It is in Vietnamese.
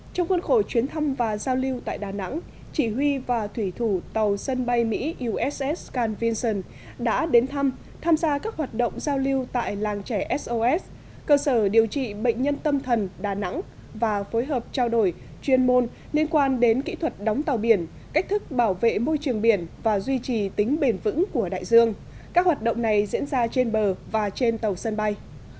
trong khuôn khổ chuyến thăm và giao lưu tại đà nẵng chỉ huy và thủy thủ tàu sân bay mỹ uss carl vinson đã đến thăm tham gia các hoạt động giao lưu tại làng trẻ sos cơ sở điều trị bệnh nhân tâm thần đà nẵng và phối hợp trao đổi chuyên môn liên quan đến kỹ thuật đóng tàu biển cách thức bảo vệ môi trường biển và duy trì tính bền vững của đại dương các hoạt động này diễn ra trên bờ và trên tàu sân bay